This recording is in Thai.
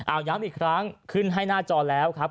เอาย้ำอีกครั้งขึ้นให้หน้าจอแล้วครับ